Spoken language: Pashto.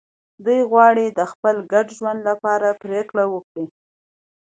دوی غواړي د خپل ګډ ژوند لپاره پرېکړه وکړي.